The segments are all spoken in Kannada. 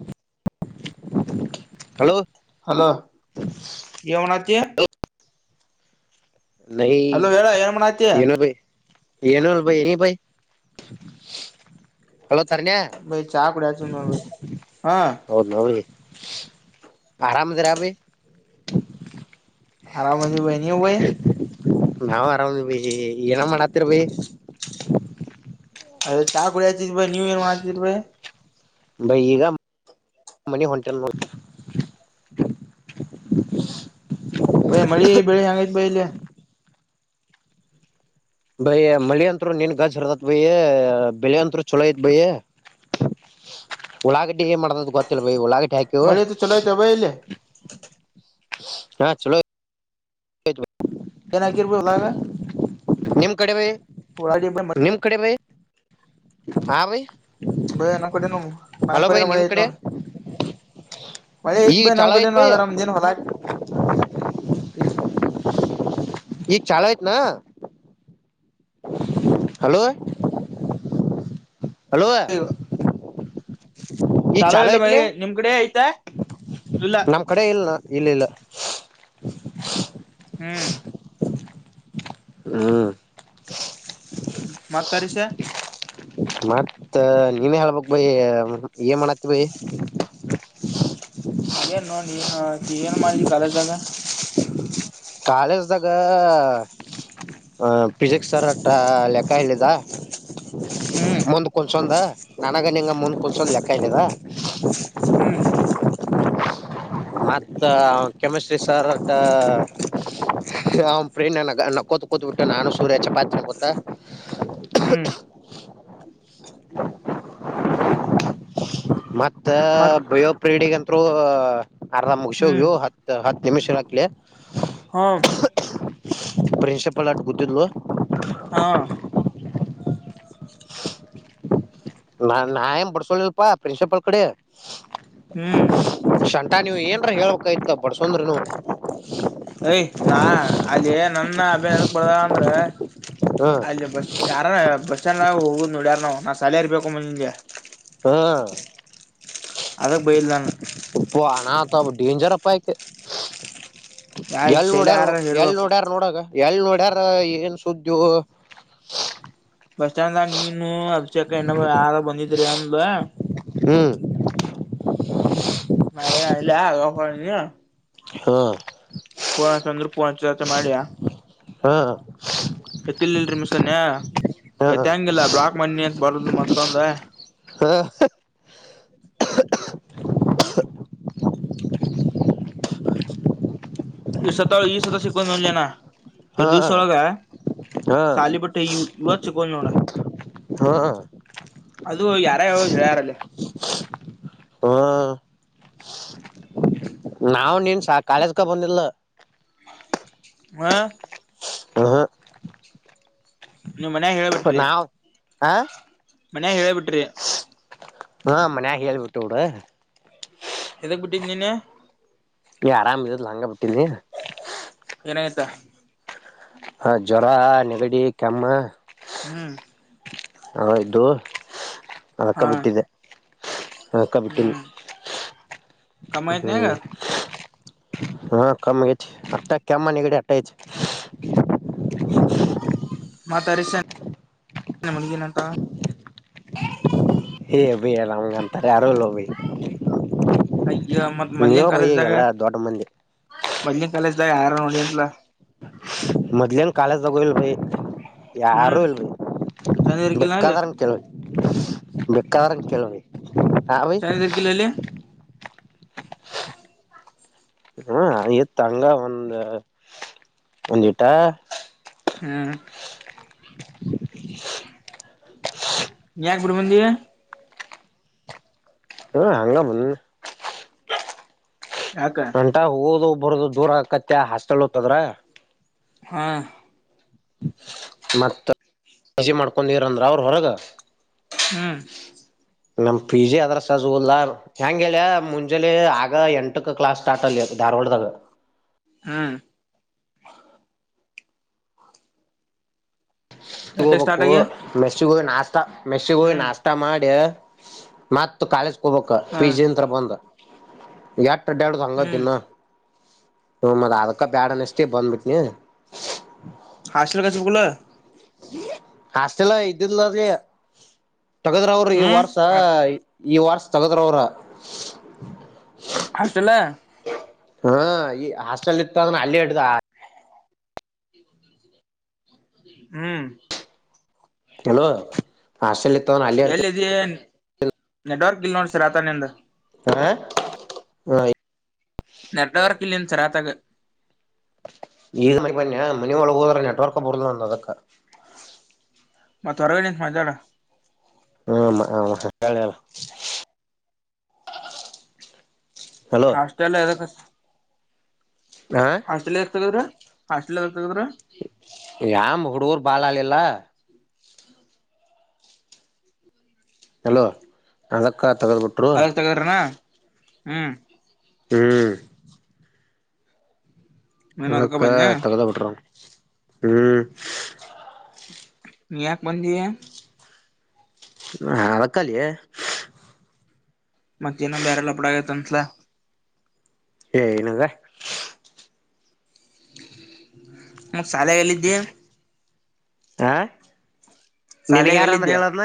[inaudible] ಹಲೋ ಹಲೋ ಏನ್ ಮಾಡಕ್ಕತ್ತಿ ನ ಅಲೋ ಹೇಳ ಏನ್ ಮಾಡತಿ [unintelligible] ಏನ ಭೈ ಏನು ಭ ಏನ ಭೈ ಹಲೋ ತಣಯ [unintelligible] ಆಕಡ ಹಾ [unintelligible] ಆರಾಮಿದ್ದೀರಾ ಬಾಯಿ ಆರಾಮಿದ್ದೀರಾ ಭೈ ನೀವು ಭೈ ನಾವವು್ ಆರಾಮ್ ಭೈ ಏನ ಮಾಡತ್ತರ್ ಭೈ ಅ ಚಾ ಕುಡಿಯಚ ಇ ಭಿ ನೀೂ ಇಯರ್ ಮಚ ಭಿ [unintelligible] ಬೈ ಈಗ ಮ ಹೊಂಟ [unintelligible] ನೋ [unintelligible] ಬೈ ಮಳಿ ಬೆಳಿ ಹೆಂಗೈತೆ ಬೈ ಅಲ್ಲಿ ಬಯಿ ಮಳಿ ಅತ್ರು ನಿನ್ ಗಾಜ್ ಹರದತ್ ಬಯ ಬೆಳ ಅಂತರು ಚಲೋ ಐತ್ ಬಯಿ ಉಳ್ಳಳಾಗಡ್ಡಿ ಏನ್ ಮಾಡದ ಗೊತ್ತಿಲ್ಲ ಬೈ ಉಳ್ಳಳಾಗಡ್ಡಿ [unintelligible] ಮಳಿ ಐತಿ ಚಲೋ ಐತ ಬೈ ಇಲ್ಲಿ ಹಾ ಚಲೋ [inaudible] ನಿಮ್ ಕಡೆ ಬೈ ಉಳ್ಳಾಗಡ್ಡಿ ಬೈ ಮಳಿ ನಿಮ್ ಕಡೆ ಬೈ ಹ ಭೈ ಬೈ ನಮ್ ಕಡೆನೂ ನಮ್ ಕಡೆನೂ ನಿಮ್ ಮಳೆ ಕಡೆ ನೋಡ್ರಿ ಮಳೆ ಈಗ ಆಯ್ತುಬಾಯಿ ನಮ್ಮ ಚಾಲೋ ಐತ್ ಕಡೆನೂ ಬೈ ಆದರೆ ನಮಗೆ ಹೊಲ ಈ ಚಾಲಯತ್ ನ ಹಲೋ ಹಲೋ ಈಗ ಚಾಲೋ ಚಾಲ ಇಲ್ಲ ಮಳಿ ಐತ್ಲಿ ನಿಮ್ ಕಡೆ ಐತಾ ಇಲ್ಲ ನಮ್ ಕಡೆ ಇಲ್ನ ಇಲ್ಲ ಇಲ್ಲ ಹ್ಮ್ ಹ್ಮ್ ಮತ್ತ [unintelligible] ಮತ್ತ ನೀನ್ ಹೇಳ್ಬಕ್ ಬಯಿ ಏನ್ ಮಾಡಾತಿ ಬಾಯಿ ಏನ್ ನೋ ಏನ್ ಏನ್ ಮಾಡಿದಿ ಕಾಲೇಜ್ದಾಗ ಕಾಲೇಜ್ದಾಗ ಹಾ ಪಿಜಿಕ್ ಸರ್ಟ ಲೆಕ್ಕ ಹೇಳಿದ ಹ್ಮ್ ಮುಂದ್ ಕುಂಸಂದ ನನಗ ನಿಂಗ ಮುಂದ್ ಕುಂಸಂದ ಲೆಕ್ಕ ಇನಿದ ಹ್ಮ್ ಮತ್ತ ಕೆಮಿಸ್ಟ್ರಿ ಸರ್ ಅವ ಪ್ರೀಣ ಕುತ್ಬಿಟ್ಟ ನಾನು ಸೂರ್ಯ ಚಪಾತಿ ಮುಂಧ ಹ್ಮ್ ಮತ್ತ ತ್ತ ಮತ್ ಬಯೋಪ್ರೀಡಿಗೆ ಅಂತರು ಆರಾಮ್ ಹ್ಮ್ ಮುಗಸೋಗವು ಹತ್ ಹತ್ತು ನಿಮಿಷ ಹಾಕ್ಲಿ ಹಾ ಪ್ರಿನ್ಸಪಲ್ ಆ ಗುದ್ದಿದ್ದ ಹಾ [unintelligible] ನ್ ಬಡ್ಸೋಳಲ್ಪಾ ಪ್ರಿನ್ಸಿಪಾಲ್ ಕಡೆ ಹ್ಮ್ ಅ ನೀವು ಏನರ ಹ ಹೇಳಳ್ಬೇಕಕ್ ಇತ ಬಡ್ಸಂದ್ರನು ಯ್ ನಾ ಅಲ್ಲಿ ನನ್ನ ಅಭದಕ್ ಬದ ಅಂದ್ರ ಹ್ಮ ಅಲ್ಲ ಬಸ್ ಯಾರ ಬಸ್ ಸ್ಟ್ಯಾಂಡ್ಗ ಹೋಗೋುದು ನೋಡ್ಯಾರನೋ ನಾನು ಸ್ಯಾಲರಿ ಬೇಕುಮ್ಮ ನಿಂಗೆ ಹಾ [unintelligible] ಡೇಂಜರ್ಪ್ ಆಯ್ತ ಯಾ ಎಲ್ ಶೈಲ ನೋಡಲ್ ಯಾರ ಎಲ್ ಹೇಳ್ಬೇಕು ನೋಡ್ಯಾರ ನೋಡಾಗ ಎಳ್ ನೋಡ್ಯಾರ ಏನ್ ಸುದ್ದು ಬಸ್ ಸ್ಟ್ಯಾಂಡ್ ನೀನು ಅಭಿಷಕ ಇಣ್ಣ ಯಾರ ಬಂದಿದ್ರಿ ಅಂದ ಹ್ಮ್ [unintelligible] ಹಾ [unintelligible] ಮಾಡಿಯಾ ಹಾ ಗತ್ತಲ್ಲ್ರಿ ಮಿಸಸನ್ಯ ಹಾ ತ್ಂಗಿಲ್ಲ ಬ್ಲಾಕ್ ಮಣಿ ಅಂತ ಬರದು ಮತ್ತೊಂದ ಹಾ ಈ ಸತ ಈ ಸತ ಸಿಕ್ಕಂದ್ ಒಲ್ಜೇನಾ ಹಾ [unintelligible] ದಿವಸ ಹೊಳಗ ಹಾ ಶಾಲ ಬಟ್ಟೆ ಇವತ್ ಸಿಕ್ಕಲ್ ನೋಡ ಹಾ ಅದು ಯಾರ ಹೇಳ ಯಾರಲ್ಲ ಹಾ ನಾವ ನೀನ್ ಸಾ ಕಾಳೇಜ್ಕ ಬಂದಿಲ್ಲ ಆ [unintelligible] ನೀವ್ ಮನ್ಯಾಗ ಹೇಳಳ್ಬಟ್ರಿ ಆ ಮನ್ಯಾಗ ಹೇಳೇ ಬಿಟ್ರಿ ಹಾ ಮನ್ಯಾಗ ಹೇಳ್ಬಿಟ್ಟು ಬುಡು ಎದಕ್ ಬಿಟ್ಟಿ ನೀನು ಏ ಆರಾಮಿರಲಿಲ್ಲ ಹಂಗ ಬಿಟ್ಟೀನಿ. ಏನಾಯ್ತಾ ಹ ಜ್ವರ ನೆಗಡಿ ಕೆಮ್ಮ ಹ್ಮ್ ಅವಿದ್ವು ಅದಕ್ಕ ಹಾ ಬಿಟ್ಟಿದೆ. ಮಲ್ಕಬಿಟಿನಿ ಕಮ ಅಯ್ತಂನೀಗ ಹಾ ಕಮಿ ಆಗೈತಿ ಕೆಮ್ಮ ನಗಡಿ ಆಟ ಅಯ್ತಿ [inaudible] ಮತ್ತ ಅರೀಶ್ [unintelligible] ಹೇ ಭಯ್ ಅಲ್ಲಾಗಂತಾರೆ ಯಾರಲ್ಲೋ ಭಯ್ ಅಯ್ಯ ಮತ್ತ ಮದ್ಲಿನ್ ಕಾಲೇಜ್ದಾಗ ದೊಡ್ಡ ಮಂದಿ ಮದ್ಲಿನ್ ಕಾಲೇಜ್ ದ ಆರನ ಒಡಿಯಂತಲ ಕಾಲೇಜದಾಗ್ ಹೋಗಿಲ್ಲ ಬಾಯ್ ಹ್ಮ್ ಯಾರು ಇಲ್ರಿ ಚಂದ ಇರ್ಕಿಲ್ಲ ಅಲ್ಲಿ ಬೆೇಕಾದರನ್ ಕೆಲ್ರಿ ಬೆೇಕಾದರ ಕೆಲವಿ [unintelligible] ಕಿಲ್ಲೆಯಲ್ಲಿ ಹಾ ಇತ್ ಹಂಗ ಒಂದ ಒಂದಿಟ ಹ್ಮ್ ಯಾಕ ಬಿಟಬಂದಿಯಾ ಹಾ ಹಂಗ ಬಂದ ಯಾಕ ಅಂಟ ಹೋಗೋದ ಬರದು ದೂರ ಆಕತ್ತ ಹಾಸ್ಟೆಲ್ ಹೂತ್ತದ್ರ ಹಾ ಮತ್ತ [unintelligible] ಜಿ ಮಾಡ್ಕೊಂಡಿರಂದ್ರ ಅವ್ರ ಹೊರಗ ಹ್ಮ್ ನಮ್ ಪಿ ಜಿ ಅದ್ರ ಸಜುಲ್ ಹೆಂಗೇಳ ಮುಂಜಲಿ ಆಗ ಎಂಟಕ್ ಕ್ಲಾಸ್ ಸ್ಟಾರ್ಟ್ ಅಲ್ಲಿ. ಧಾರವಾಡದಾಗ ಹಾ ಗಂಟೆಗೆ ಗೋಬೇಕು ಸ್ಟಾರ್ಟ್ ಆಗ್ಯ ಮೆಸಿಗೆ ಹೋಗಿ ನಾಸ್ಟಾ ಮೆಸಿಗೆ ಹೋಗಿ ಹ್ಮ್ ನಾಸ್ಟಾ ಮಾಡಿ ಮತ್ ಕಾಲೇಜ್ ಕ ಹೋಗಬೇಕು ಹಾ ಪಿ ಜಿ ಅಂತ್ರ ಬಂದ ಎ ಎಷ್ಟು ಅಡ್ದಡದು ಹ್ಮ್ ದಿನ [unintelligible] ಅದಕ್ಕ ಬ್ಯಾಡಅನ್ನಿಸ್ತು ಬಂದ್ಬಿಟ್ಟನ. ಹಾಸ್ಟಲ್ ಹಚ್ಬೇಕು ಇಲ್ಲಾ ಹಾಸ್ಟೆಲಾ ಇದ್ದಿದಲೀ ಅವ್ರಿಗೆ ತಗದ್ರರು ಈ ಹ್ಮ್ ವರ್ಷ. ಈ ವರ್ಷ ತಗದ್ರ ಅವರು. ಹಾಸ್ಟೆಲ್ ಹಾ ಈ ಹಾಸ್ಟೆಲ್ ಇತ್ತ ಅಂದ್ರ ಅಲ್ಲಿ ಇಡ್ದ. ಹ್ಮ್ ಹಲೋ ಹಾಸ್ಟೆಲ್ [unintelligible] ಎಲ್ಲಿ ಇದಿಯೇನ್ ನೆಟ್ವರ್ಕ್ ಇಲ್ ನೋಡ ಸರ್ ಆತನಿಂದ ಹಾ ಹಾ ಹ್ಮ್ ನೆಟ್ವರ್ಕ್ ಇಲ್ಲಿನ ಸರಾತಾಗ. ಈ [unintelligible] ಬನ್ನಯ ಮನ ಒಳಗೆ ಹೋದ್ರ ನೆಟ್ವರ್ಕ್ ಬರ್ದಂಲ್ಲ ನದ್ರೋದಕ್ಕ. ಮತ್ತ ಹೊರಗ ನಿಂತ ಮಾತಾಡ ಹ್ಮಾ ಮಾ ಮಾ ಹ ಹೇಳ್ ಹೇಳು. ಹಲೋ ಹಾಸ್ಟೆಲ್ ಎದ್ಕ ಹಾಚಿ ಹ ಹಾಸ್ಟೆಲ್ ಯಾರ್ತಾಗ್ದ್ರು ಹಾಸ್ಟೆಲ್ ಯಾವಾಗ್ತಾಗುದ್ರು. ಯಾಮ್ ಹುಡುಗರು ಬಾಳಾಲಿಲ್ಲ ಹಲೋ ಅದಕ್ಕ ತೆಗೆದ್ಬಿಟ್ರು. ಹ್ಮ. ಹ್ಮ್. ನೀನ್ ಅದಕ ಅಕ್ಕ ಬಂದ್ಯ ತಗದ ಬಿಟರ ಹ್ಮ್. ನೀ ಯಾಕ ಬಂದಿ. ಹ ಅಳಕ್ಕಾಲಿಯೇ. ಮತ್ತೇನ ಬ್ಯಾರೆ ಲಪ್ಡಾಗೈತ್ ಅಂತ್ಲ. ಏ ಇಲ್ಲ ಹೋಗ. ಮತ್ತ್ ಸಾಲ್ಯಾಗ ಎಲ್ಲಿ ಇದ್ದಿ. ಹ ನಿನಗ ಯಾರ ಅಂದ್ರೆ ಹೇಳದ್ನ.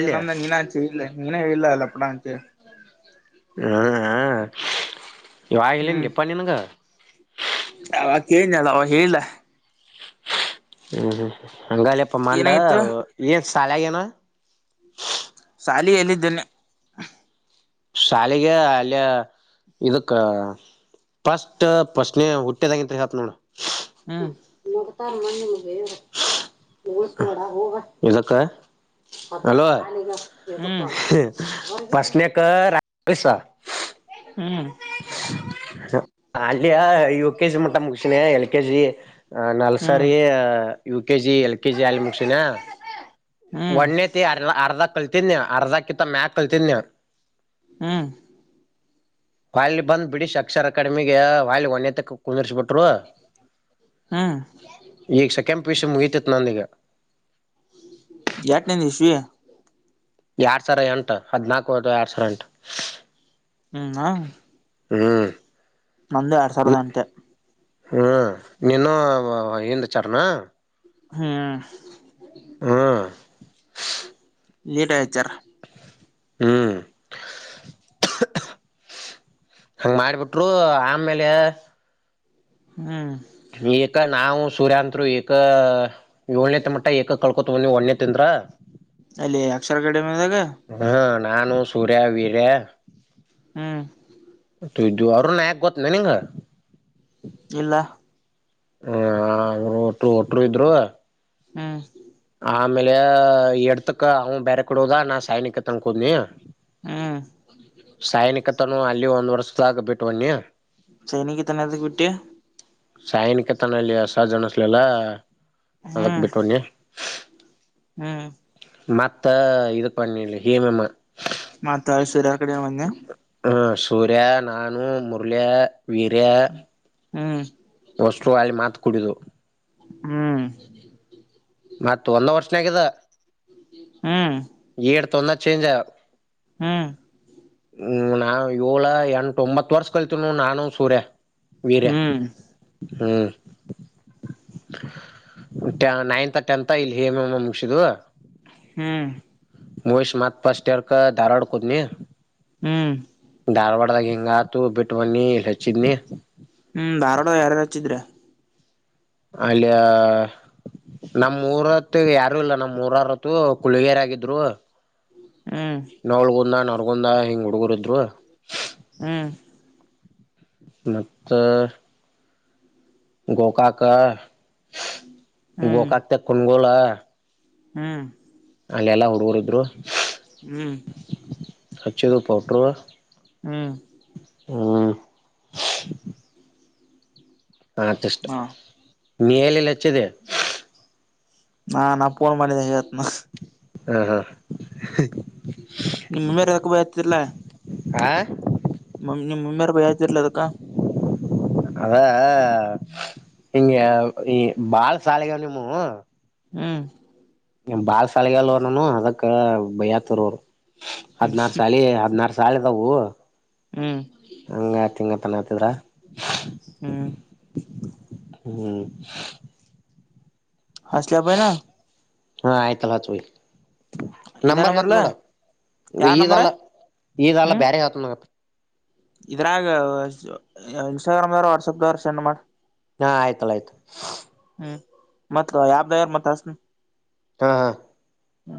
ಏ ಹ ನಮ್ದ ನೀನಾ ಆಚೆ ಇಲ್ಲ ನೀನೇ ಇಲ್ಲ ಲಪ್ಪಡಾ ಅಂತ ಹೇಳಿ. ಹ್ಮ ಹ ಯಾರ್ ಹೇಳಿಲ್ಲ ಪಾ ನಿಂಗ. ಅವಾಗ್ ಹೇಳಿನಲಾ ಅವಾಗ ಹೇಳಿಲ್ಲ. ಹ್ಮ್ ಹ್ಮ್ ಹಂಗಾಲಪ್ಪ ಮಂಡ ಏನಾಗಿತ್ತು ಏನ್ ಸಾಲಾಗೇನ. ಶಾಲಿ ಎಲ್ಲಿದ್ದೇನೆ. ಶಾಲೆಗೆ ಅಲ್ಲಿಯ ಇದಕ್ಕ ಫಸ್ಟ್ಫಶ್ನೆ ಹುಟ್ಟೆದಾಗಿಂತ ಹೇಳ್ತಿನ ನೋಡ್. ಹ್ಮ್. [unintelligible] ಹಲೋ ಹ್ಮ್ ಫರ್ಸ್ಟ್ನೇಕ ರಾಕೇಶ. ಹ್ಮ್ ಅಲ್ಲಿಯ ಇವ್ ಕೆ ಜಿ ಮುಟ ಮುಗಸಿನ ಎಲ್ ಕೆ ಜಿ ಹ್ಮ್ ನಾಲ್ಸಾರಿ. U K G L KG ಆಲಿ ಮುಕ್ಷಿನ. ಹ್ಮ್ ಒಣ್ಣೆತಿ ಅರ್ಧ ಅರ್ಧ ಕಲ್ತನ್ಯ ಅರ್ಧಕಿತ್ತ ಮ್ಯಾಕ್ ಕಲ್ತನ್ಯ. ಹ್ಮ್. ವಲ್ಲೆ ಬಂದ್ ಬಿಡಿಶ್ ಅಕ್ಷರ ಅಕಾಡೆಮಿಗೆ ವಾಯ್ಲಿ ಒಣೆತ ಕುಂದಿರ್ಸ್ಬಿಟ್ ಟ್ರು ಹ್ಮ್ ಈಗ ಸೆಕೆಂಡ್ ಪಿ ಯು ಸಿ ಮುಗಿತಿ ತ ನಂದಿಗ. ಏಟ ನಿಂದ ಇಶಿವಿ. ಎರಡ್ ಸಾವಿರ ಎಂಟು ಹದ್ನಾಕು ಅದು ಎರಡ್ ಸಾವಿರ ಎಂಟ. ಹ್ಮ್ ಹ. ಹ್ಮ್. ನಂದು ಎರಡ್ ಸಾವಿರದ ಎಂಟೆ. ಹ್ಮ ನೀನ್ನು ಹಿಂದ ಹಾಚ್ಚರ ಏನ್. ಹ್ಮ್. ಹ್ಮ್. ಲೇಟಾಗಿ ಹಚ್ಚರ. ಹ್ಮ್. ಹಂಗ ಮಾಡಿಬಿಟ್ರು ಆಮ್ಮೇಲೆ. ಹ್ಮ್. ಏಕ ನಾವು ಸೂರ್ಯ ಅತ್ರು ಈಏಕ ಏಳನೇ ತ ಮಟ ಏಕ ಕಲ್ಕೋತಾ ಬಂದು ಒನಂತೆ ಇಂದ್ರ. ಹಾ. ಅಲ್ಲಿ ಅಕ್ಷರ ಕಡೆ. ಹ್ಮ ನಾನು ಸೂರ್ಯ ವೀರ್ಯ. ಹ್ಮ್. ಇದು ಅವರು ನು ನ್ಯಾಕ ಗೊತ್ತಲ್ಲ ನಿಂಗ. ಇಲ್ಲ. ಹ ಒಟ್ಟ ಒಟ್ರು ಇದ್ರು. ಹ್ಮ. ಆಮೇಲೆ ಎಡ್ತಕ್ಕ ಅವ ಬೇರೆ ಕೊಡುಲ್ಲಾ ನಾ ಸೈನಿಕ ತನ ಕೊ ಹ್ಮ್ [unintelligible] ಸೈನಿಕತನು ಅಲ್ಲಿ ಒಂದ್ ವರ್ಷದಾಗ ಬಿಟ್ಟಬಣಿ ಸೈನಿಗೆ ಇ ತನಕ ಬಿಟ್ಟಿಯ ಸಾಯನಿಕತನಲ್ಲಿ ಸಹಜ ಅಂಸ್ಲಿಲ್ಲ ಅದಕ್ ಹ್ಮ್ ಬಿಟ್ಟವಣಿ ಹ್ಮ್ ಮತ್ತ ಇದು ಪನ್ನಿಲ್ಲ ಹೇಮಮ್ಮ ಮಾತ್ತ ಅಲ್ಲಿ ಸಿರಾ ಕಡೆ ಬನ್ನೆ ಹ ಸೂರ್ಯ ನಾನು ಮುರಳಿ ವೀರ್ಯ ಹ್ಮ್ ವಷ್ಟರು ಅಲ್ಲಿ ಮಾತು ಕುಡಿದು ಹ್ಮ್ ಮತ್ತ ಒಂದ ವರ್ಷನಗ ಇದು ಹ್ಮ್ ಏಡ್ ತೊಂದತ್ತು ಚೇಂಜ ಹ್ಮ್ ಹ್ಮ್ ನಾವ ಏಳ ಎಂಟ ಒಂಬತ್ತು ವರ್ಷ ಕಾಲ್ತೀವಿ ನಾನು ಸೂರ್ಯ ವೀರ್ಯ ಹ್ಮ್ ಹ್ಮ್ ನೈನ್ತ್ ಟೆಂತ್ ಇಲ್ಲಿ ಹೇಮಮ್ಮ ಮುಗಸಿದ್ವಿ ಹ್ಮ್ ಮುಗಿಶಿ ಮತ್ ಫರ್ಸ್ಟಿಯರ್ಕ್ ಧಾರವಾಡ ಹೊದ್ನಿ ಹ್ಮ್ ಧಾರವಾಡ ಧಾರವಾಡದಾಗ ಹಿಂಗಾತು ಬಿಟ್ಟ ಬನ್ನಿ ಇಲ್ಲಿ ಹೆಚ್ಚಿದ್ನಿ ಹ್ಮ್ ಧಾರವಾಡ ಯಾರು ಹಚ್ಚಿದ್ರ ಅಲ್ಲಿ ನಮ್ಮೂರತ್ ಯಾರು ಇಲ್ಲ ನಮ್ಮ್ ಮೂರರತ್ತು ಕುಳಗೇರಾಗಿದ್ರು ಹ್ಮ್ ನೋಳ್ಗುಂದ ನರ್ಗುಂದ ಹಿಂಗ್ ಹುಡುಗರ ಇದ್ರು ಹ್ಮ್ ಮತ್ತೆ ಗೋಕಾಕ ಹ್ಮ್ ಗೋಕಾಕ್ ತ ಕುನ್ಗೋಲ ಹ್ಮ್ ಅಲ್ಲೆಲ್ಲ ಹುಡುಗರು ಇದ್ರು ಹ್ಮ್ ಹಚ್ಚೆಗ ಪೌಡರ್ ಹ್ಮ್ ಹ್ಮ್ ಹತಷ್ಟು ಹಾ ನೀ ಏಲೆಲ್ಲಚ್ಚಿದೆ ನಾ ನಾ ಪೋನ್ ಮಾಡಿದೆ ಹೊತ್ತುನ ಹಾ ಹಾ ನಿಮ್ಮ ಮೇಲೆ ಯಾಕ ಬಯ ಆತಿಲ್ಲಾ ಹಾ ಮ ನಿಮ್ ಮಮ್ಮಿಯಾರ ಬೈಯಯ್ತಿರ್ಲ ಅದಕ್ಕ ಅದ ಆ ಆ ಹಂಗ ಈ ಬಾಳ ಸಾಲಿಗ ನಿಮವು ಹ್ಮ್ ನಿಮ್ ಬಾಳ್ ಸಾಲಿಗೆ ಅಲ್ವ ನಾನ ಅದಕ್ ಭೈ ಹತರು ಅವ್ರು ಹದ್ನಾರ ಸಾಲಿ ಹದ್ನಾರ ಶಾಲೆದವು ಹ್ಮ್ ಹಂಗ ತಿಂಗ ತನತಿದ್ರ ಹ್ಮ್ ಹ್ಮ್ ಹಸ್ಟಲೆ [unintelligible] ಹಾ ಆಯ್ತಲ್ಲ ಹಚ್ ಬೈಯಿ ಇದ ನಂಬರ್ ನಂಬರ್ಲ ಹೇಳ್ತಿನ್ ನೋಡ ಯಾರ್ ನಂಬರ್ ಈದಲ್ಲ ಈದಲ್ಲ ಹ್ಮ್ ಬೇರೆ ಹೇಳ್ತಿನ್ನೋಡ ಇದ್ರಾಗ ಇನ್ಸ್ಟಾಗ್ರಾಮ್ದವ್ರ ವಾಟ್ಸಗದ್ರ ಸೆಂಡ್ ಮಾಡ ಹಾ ಆಯ್ತಲ್ಲ ಆಯ್ತು ್ಮ ಮತ್ ಯಾಬ್್ದ ಯಾರ ಮತ್ತ ಅಸನು ಹಾ ಹಾ ಹ್ಮ